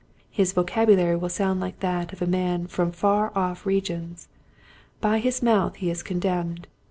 His vocabulary will sound like that of a man from far off re gions. By his mouth he is condemned.